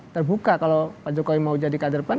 terbuka kalau pak jokowi mau jadi kader pan